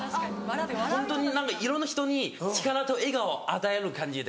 ホントに何かいろんな人に力と笑顔与える感じで。